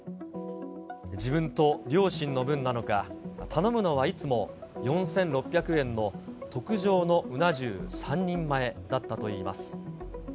自分と両親の分なのか、頼むのはいつも４６００円の特上のうな重３人前だったといいます。